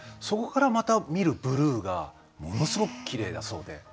そこからまた見るブルーがものすごくきれいだそうで。